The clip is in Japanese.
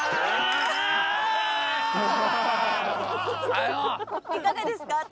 いかがですか？